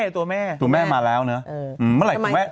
ตัวแม่มาแล้วเนอะ